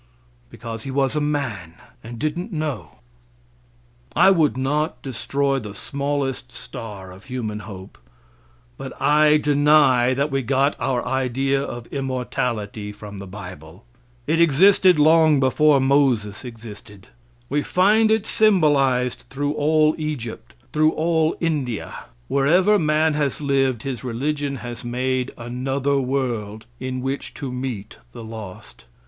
Because He was a man and didn't know. I would not destroy the smallest star of human hope, but I deny that we got our idea of immortality from the bible. It existed long before Moses existed. We find it symbolized through all Egypt, through all India. Wherever man has lived, his religion has made another world in which to meet the lost.